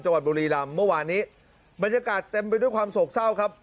บุรีรำเมื่อวานนี้บรรยากาศเต็มไปด้วยความโศกเศร้าครับ